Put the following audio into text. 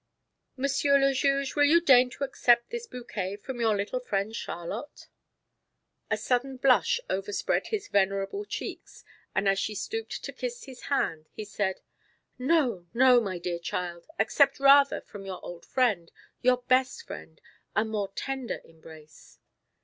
"Monsieur le Juge, will you deign to accept this bouquet from your little friend Charlotte?" A sudden blush overspread his venerable cheeks, and as she stooped to kiss his hand, he said: "No, no, my dear child; accept rather from your old friend, your best friend, a more tender embrace."